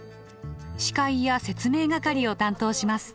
司会や説明係を担当します。